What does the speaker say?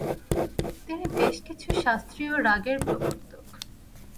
তিনি বেশ কিছু শাস্ত্রীয় রাগের প্রবর্তক।